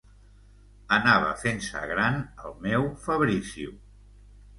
Anava fent-se gran, el meu Fabrizio.